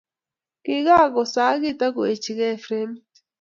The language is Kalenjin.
Kikakosakiit ak koweechkei fremit.